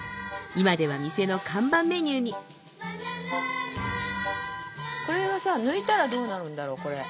今では店の看板メニューにこれは抜いたらどうなるんだろう？